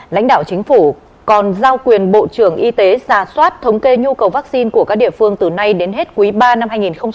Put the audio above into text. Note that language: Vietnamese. lãnh đạo chính phủ còn giao quyền bộ trưởng y tế giả soát thống kê nhu cầu vaccine của các địa phương từ nay đến hết quý ba năm hai nghìn hai mươi